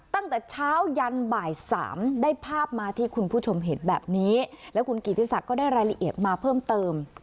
ตั้งแต่เช้ายันบ่ายสามได้ภาพมาที่คุณผู้ชมเห็นแบบนี้แล้วคุณกิติศักดิ์ก็ได้รายละเอียดมาเพิ่มเติม